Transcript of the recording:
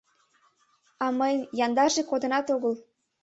— А мыйын яндарже кодынат огыл.